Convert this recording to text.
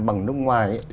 bằng nước ngoài